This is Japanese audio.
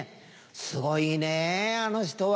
すごいねぇあの人は。